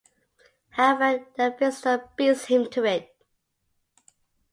However, Mephisto beats him to it.